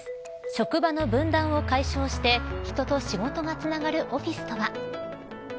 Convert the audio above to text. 職場の分断を解消して人と仕事がつながるオフィスとは。